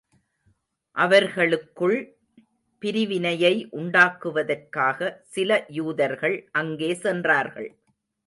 அவர்களுக்குள் பிரிவினையை உண்டாக்குவதற்காக, சில யூதர்கள் அங்கே சென்றார்கள்.